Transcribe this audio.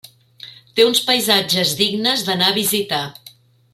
Té uns paisatges dignes d'anar a visitar.